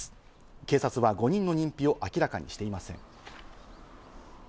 警察は５人の認否を明らかにしていません。